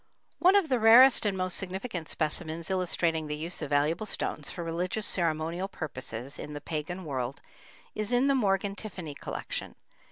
One of the rarest and most significant specimens illustrating the use of valuable stones for religious ceremonial purposes in the pagan world is in the Morgan Tiffany collection.